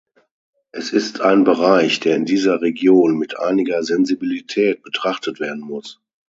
Es ist ein Bereich, der in dieser Region mit einiger Sensibilität betrachtet werden muss.